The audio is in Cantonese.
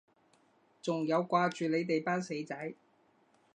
仲有掛住你哋班死仔